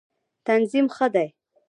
تنظیم ښه دی.